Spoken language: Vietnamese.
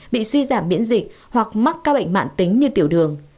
bị suy giảm miễn dịch hoặc mắc các bệnh mạng tính như tiểu đường